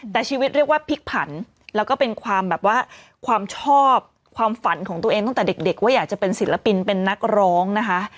แต่ชีวิตเรียกว่าพลิกผันแล้วก็เป็นความแบบว่าความชอบความฝันของตัวเองตั้งแต่เด็กว่าอยากจะเป็นศิลปินเป็นนักร้องนะคะ